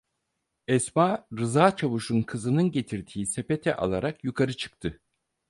Esma, Rıza Çavuş"un kızının getirdiği sepeti alarak yukarı çıktı.